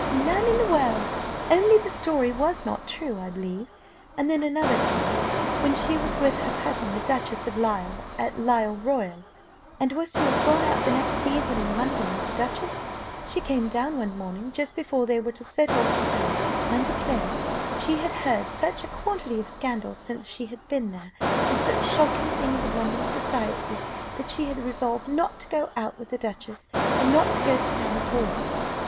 "None in the world, only the story was not true, I believe. And then another time, when she was with her cousin, the Duchess of Lisle, at Lisle Royal, and was to have gone out the next season in London with the Duchess, she came down one morning, just before they were to set off for town, and declared that she had heard such a quantity of scandal since she had been there, and such shocking things of London society, that she had resolved not to go out with the Duchess, and not to go to town at all?